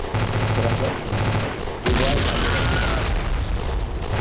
Tras dos años, llegó al Rayo Vallecano.